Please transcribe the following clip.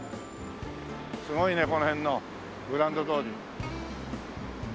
すごいねこの辺のブランド通り。